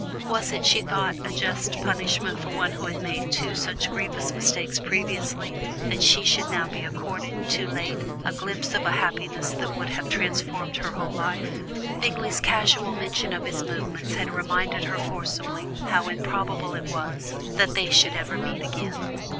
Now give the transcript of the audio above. Was it, she thought, a just punishment for one who had made two such grievous mistakes previously that she should now be accorded, too late, a glimpse of a happiness that would have transformed her whole life? Bingley's casual mention of his movements had reminded her forcibly how improbable it was that they should ever meet again.